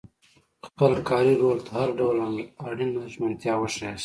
خپل کاري رول ته هر ډول اړینه ژمنتیا وښایاست.